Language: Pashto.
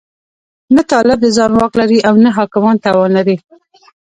نه طالب د ځان واک لري او نه حاکمان توان لري.